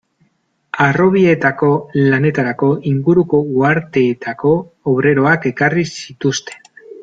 Harrobietako lanetarako inguruko uharteetako obreroak ekarri zituzten.